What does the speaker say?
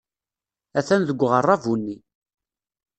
Atan deg uɣerrabu-nni.